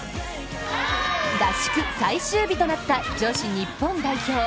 合宿最終日となった女子日本代表。